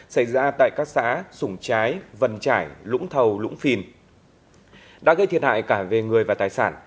xảy ra tại các xã sủng trái vần trải lũng thầu lũng phìn đã gây thiệt hại cả về người và tài sản